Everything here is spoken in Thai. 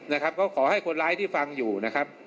นะครับก็ขอให้คนร้ายที่ฟังอยู่นะครับ